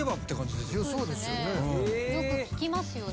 よく聞きますよね。